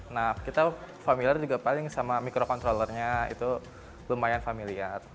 nah kita familiar juga paling sama microcontrollernya itu lumayan familiar